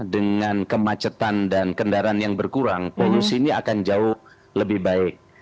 dengan kemacetan dan kendaraan yang berkurang polusi ini akan jauh lebih baik